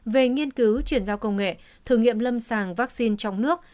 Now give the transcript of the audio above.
về nghiên cứu chuyển giao công nghệ thử nghiệm lâm sàng vaccine trong nước